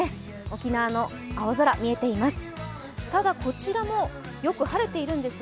沖縄の青空見えています。